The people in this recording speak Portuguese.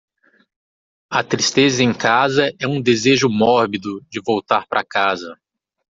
A tristeza em casa é um desejo mórbido de voltar para casa.